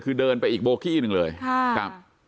คือเดินไปอีกโบกี้หนึ่งเลยครับ